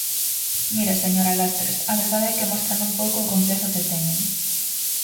Mire, señora Lastres: a verdade é que mostran un pouco o complexo que teñen.